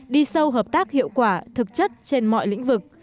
đi sâu hợp tác hiệu quả thực chất trên mọi lĩnh vực